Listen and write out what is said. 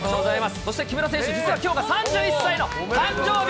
そして木村選手、実はきょうが３１歳の誕生日。